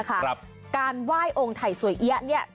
การไหว้องค์ไถ่สวยเอี๊ยะเนี่ย